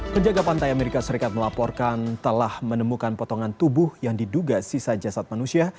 penjaga pantai amerika serikat melaporkan telah menemukan potongan tubuh yang diduga sisa jasad manusia